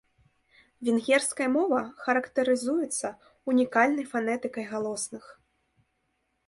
Венгерская мова характарызуецца ўнікальнай фанетыкай галосных.